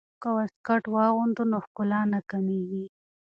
که واسکټ واغوندو نو ښکلا نه کمیږي.